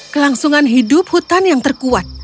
kelangsungan hidup hutan yang terkuat